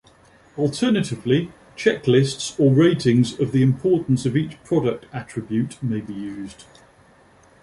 Alternatively checklists or ratings of the importance of each product attribute may be used.